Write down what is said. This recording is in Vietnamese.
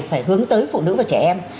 phải hướng tới phụ nữ và trẻ em